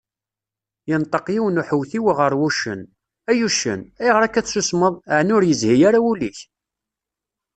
Yenṭeq yiwen uḥewtiw γer wuccen: Ay uccen, ayγer akka tessusmeḍ, εni ur yezhi ara wul-ik?